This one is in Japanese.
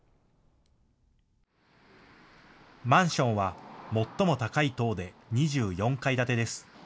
マンションは最も高い棟で２４階建てです。